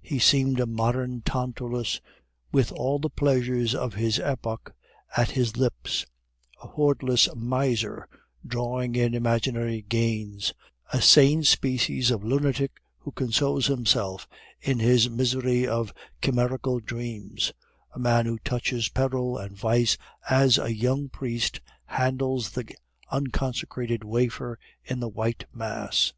He seemed a modern Tantalus, with all the pleasures of his epoch at his lips, a hoardless miser drawing in imaginary gains, a sane species of lunatic who consoles himself in his misery by chimerical dreams, a man who touches peril and vice as a young priest handles the unconsecrated wafer in the white mass.